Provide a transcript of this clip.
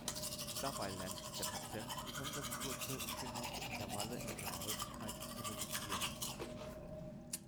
Dabei lernt der Patient, besonders kurze stimmhafte Intervalle in ihrer Häufigkeit zu reduzieren.